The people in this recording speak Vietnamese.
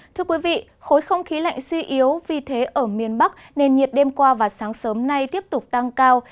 thưa quý vị khối không khí lạnh suy yếu vì thế ở miền bắc nền nhiệt đêm qua và sáng sớm nay tiếp tục tăng cao